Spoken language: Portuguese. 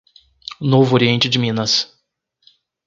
Novo Oriente de Minas